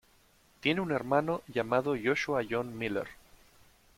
Tiene un hermano llamado Joshua John Miller.